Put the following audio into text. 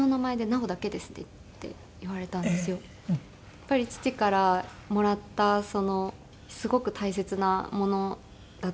やっぱり父からもらったすごく大切なものだと思っていたので名前が。